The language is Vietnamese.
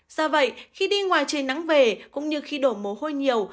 do vậy khi đi ngoài trời nắng về cũng như khi đổ mồ hôi nhiều